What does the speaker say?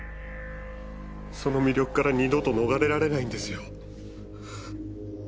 その魅力から二度と逃れられないんですよ。